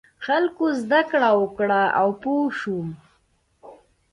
خلکو زده کړه وکړه او پوه شول.